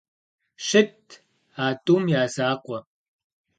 Щытт а тӀум я закъуэ.